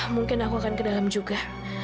mungkin aku akan ke dalam juga